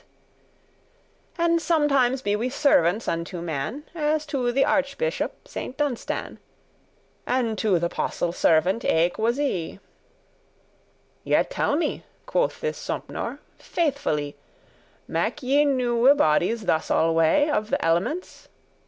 * *catch And sometimes be we servants unto man, As to the archbishop Saint Dunstan, And to th'apostle servant eke was I." "Yet tell me," quoth this Sompnour, "faithfully, Make ye you newe bodies thus alway Of th' elements?"